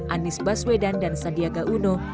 anies baswedan dan sandiaga uno